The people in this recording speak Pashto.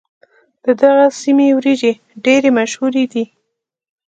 د دغې سيمې وريجې ډېرې مشهورې دي.